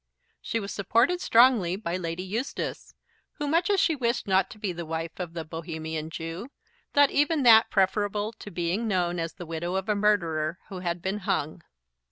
She was supported strongly by Lady Eustace, who, much as she wished not to be the wife of the Bohemian Jew, thought even that preferable to being known as the widow of a murderer who had been hung.